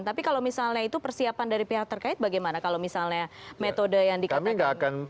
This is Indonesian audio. tapi kalau misalnya itu persiapan dari pihak terkait bagaimana kalau misalnya metode yang dikatakan